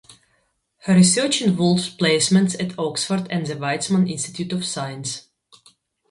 Her research involved placements at Oxford and the Weizmann Institute of Science.